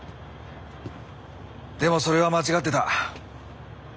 でもそれは間違ってた。